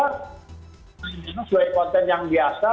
ini juga konten yang biasa